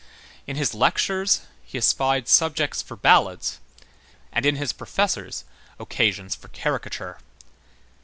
In his lectures he espied subjects for ballads, and in his professors occasions for caricature.